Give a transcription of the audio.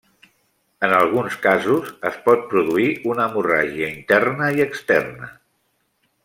En alguns casos, es pot produir una hemorràgia interna i externa.